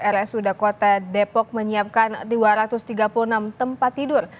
rsud kota depok menyiapkan dua ratus tiga puluh enam tempat tidur